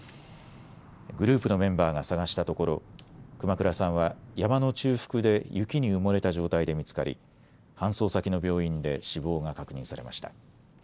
グループのメンバーが探したところ、熊倉さんは山の中腹で雪に埋もれた状態で見つかり搬送先の病院で死亡が確認されました。